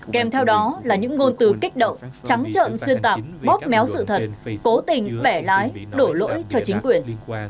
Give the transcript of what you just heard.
kèm theo đó là những ngôn từ kích động trắng trợn xuyên tạp bóp méo sự thật cố tình bẻ lái đổ lỗi cho chính quyền